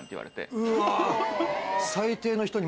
うわ。